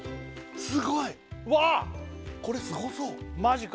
すごいこれすごそうわあ！